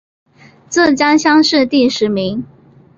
浙江乡试第十名。